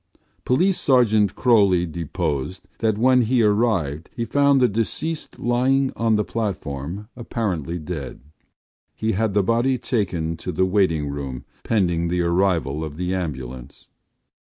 ” Police Sergeant Croly deposed that when he arrived he found the deceased lying on the platform apparently dead. He had the body taken to the waiting room pending the arrival of the ambulance.